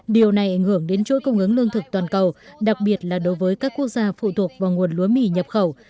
điều này ảnh hưởng đến chối công ứng lương thực toàn cầu đặc biệt là đối với các quốc gia phụ thuộc vào nguồn lúa mỳ nhập khẩu